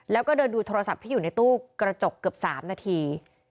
แล้วก็เดินดูโทรศัพท์ที่อยู่ในตู้กระจกเกือบ๓นาที